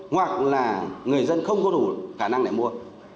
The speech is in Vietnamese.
hoặc là người dân không có đủ khả năng để mua